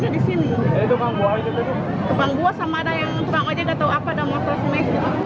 tukang buah sama ada yang tukang ojek gak tahu apa ada masalah semestinya